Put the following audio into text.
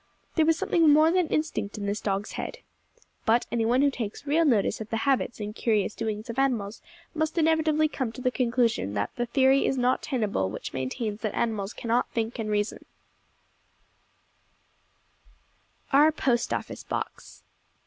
There was something more than instinct in this dog's head. But any one who takes real notice of the habits and curious doings of animals must inevitably come to the conclusion that the theory is not tenable which maintains that animals can not think and reason. [Illustration: OUR POST OFFICE BOX.